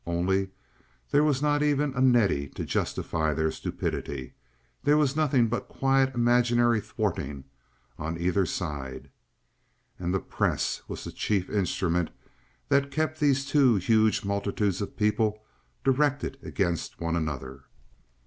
Only there was not even a Nettie to justify their stupidity. There was nothing but quiet imaginary thwarting on either side. And the press was the chief instrument that kept these two huge multitudes of people directed against one another.